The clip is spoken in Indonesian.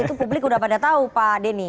itu publik sudah pada tahu pak denny